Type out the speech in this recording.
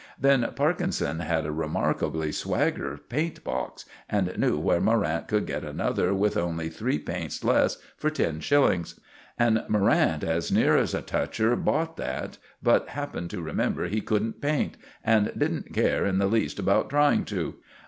Then Parkinson had a remarkably swagger paint box, and knew where Morrant could get another with only three paints less for ten shillings. And Morrant as near as a toucher bought that, but happened to remember he couldn't paint, and didn't care in the least about trying to.